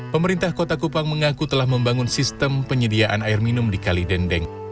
pemerintah kota kupang mengaku telah membangun sistem penyediaan air minum di kali dendeng